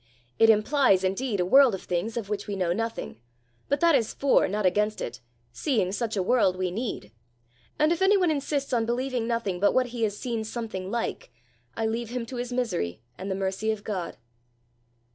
It implies indeed a world of things of which we know nothing; but that is for, not against it, seeing such a world we need; and if anyone insists on believing nothing but what he has seen something like, I leave him to his misery and the mercy of God."